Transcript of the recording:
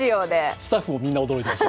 スタッフもみんな驚いていました。